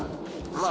まあ。